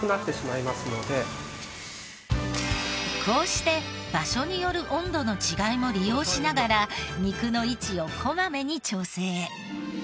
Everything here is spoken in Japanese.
こうして場所による温度の違いも利用しながら肉の位置を小まめに調整。